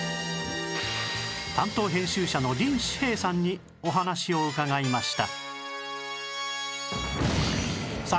担当編集者の林士平さんにお話を伺いました